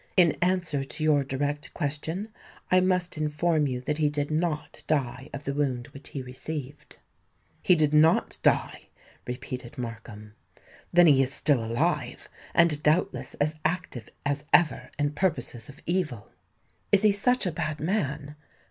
In answer to your direct question, I must inform you that he did not die of the wound which he received." "He did not die!" repeated Markham. "Then he is still alive—and doubtless as active as ever in purposes of evil." "Is he such a bad man?"